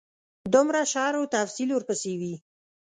دومره شرح او تفصیل ورپسې وي.